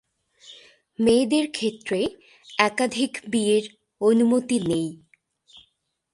মেয়েদের ক্ষেত্রে একাধিক বিয়ের অনুমতি নেই।